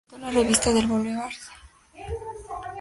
Editó la revista "Le Boulevard".